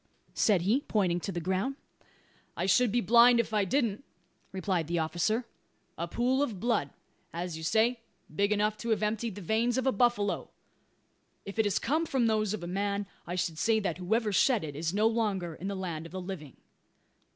said he, pointing to the ground. "I should be blind if I didn't," replied the officer. "A pool of blood as you say, big enough to have emptied the veins of a buffalo. If it has come from those of a man, I should say that whoever shed it is no longer in the land of the living."